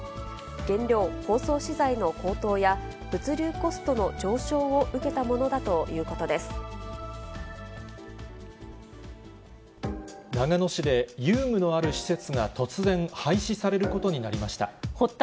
原料、包装資材の高騰や、物流コストの上昇を受けたものだという長野市で、遊具のある施設が突然廃止されることになりました。